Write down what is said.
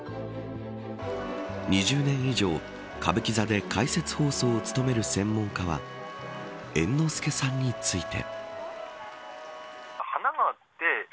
２０年以上、歌舞伎座で解説放送を務める専門家は猿之助さんについて。